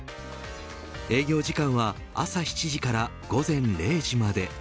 営業時間は朝７時から午前０時まで。